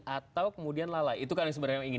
atau kemudian lalai itu kan yang sebenarnya ingin